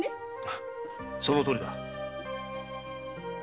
そのとおりだ。